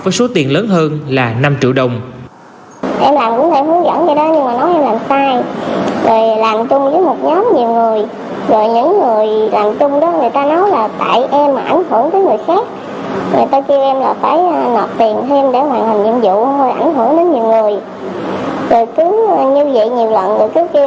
với số tiền lớn hơn là năm triệu đồng